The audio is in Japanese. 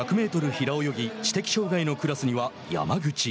平泳ぎ知的障害のクラスには山口。